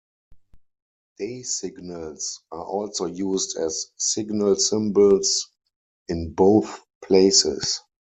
Day signals are also used as signal symbols in both places.